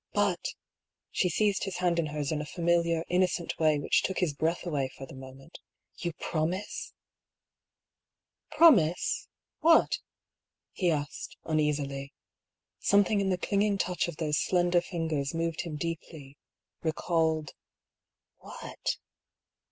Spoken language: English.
" But," — she seized his hand in hers in a familiar, innocent way which took his breath away for the moment —" you promise f "" Promise ! What ?" he asked, uneasily. Something in the clinging touch of those slender fingers moved him deeply, recalled — what?